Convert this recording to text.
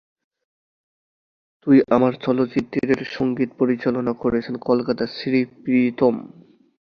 তুই আমার চলচ্চিত্রের সঙ্গীত পরিচালনা করেছেন কলকাতার শ্রী প্রীতম।